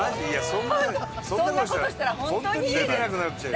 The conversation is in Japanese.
そんなそんな事したら本当に家出なくなっちゃうよ。